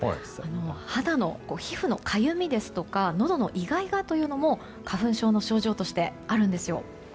肌の皮膚のかゆみですとかのどのイガイガというのも花粉症の症状としてあるんです。